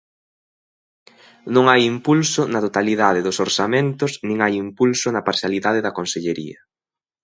Non hai impulso na totalidade dos orzamentos nin hai impulso na parcialidade da consellería.